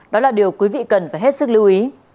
đó là điều quý vị cần phải hết sức lưu ý